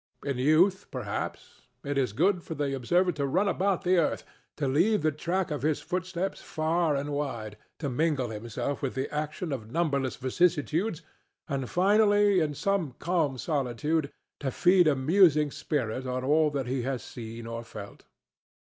In youth, perhaps, it is good for the observer to run about the earth, to leave the track of his footsteps far and wide, to mingle himself with the action of numberless vicissitudes, and, finally, in some calm solitude to feed a musing spirit on all that he has seen and felt.